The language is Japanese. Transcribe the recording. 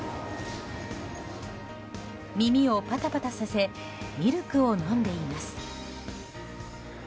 耳をパタパタさせミルクを飲んでいます。